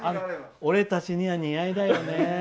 俺たちには似合いだよね。